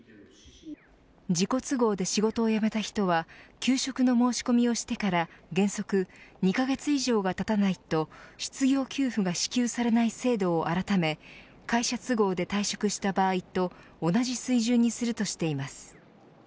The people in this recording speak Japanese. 自己都合で仕事を辞めた人は求職の申し込みをしてから原則２カ月以上がたたないと失業給付が支給されない制度を改め会社都合で退職した場合と同じ水準にするとしています。